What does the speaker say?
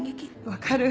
分かる！